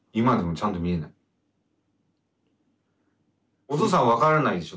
お父さん分からないでしょう？